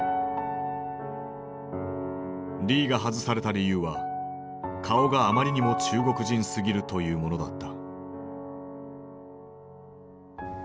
リーが外された理由は「顔があまりにも中国人すぎる」というものだった。